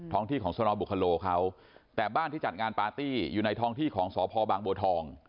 ที่ของสนบุคโลเขาแต่บ้านที่จัดงานปาร์ตี้อยู่ในท้องที่ของสพบางบัวทอง